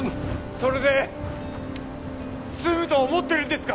それで済むと思ってるんですか？